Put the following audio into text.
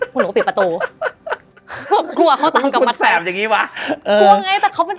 ผมหนูก็ปิดประตูแบบกลัวเขาตามกลับมาแสบคุณแสบอย่างงี้ปะเออกลัวไงแต่เขาเป็น